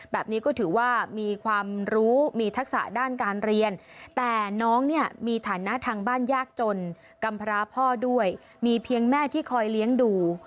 แบบนี้ก็ถือว่ามีความรู้มีทักษะด้านการเรียนแต่น้องเนี่ยมีฐานะทางบ้านยากจนกำพร้าพ่อด้วยมีเพียงแม่ที่คอยเลี้ยงดู